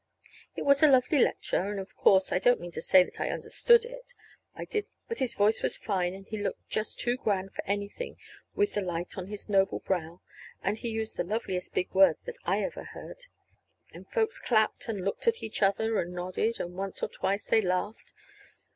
It was a lovely lecture. Oh, of course, I don't mean to say that I understood it. I didn't. But his voice was fine, and he looked just too grand for anything, with the light on his noble brow, and he used the loveliest big words that I ever heard. And folks clapped, and looked at each other, and nodded, and once or twice they laughed.